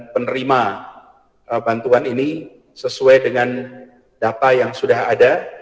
penerima bantuan ini sesuai dengan data yang sudah ada